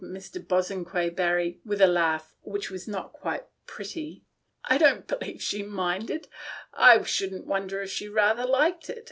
"Oh," chuckled Mr. Bosanquet Barry, with a laugh which was not quite pretty. "I don't believe she minded — I shouldn't wonder if she rather liked it.